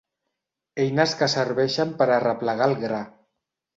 Eines que serveixen per arreplegar el gra.